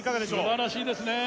素晴らしいですね